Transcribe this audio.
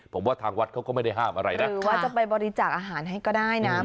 ผมว่าทางวัดเขาก็ไม่ได้ห้ามอะไรนะหรือว่าจะไปบริจาคอาหารให้ก็ได้นะ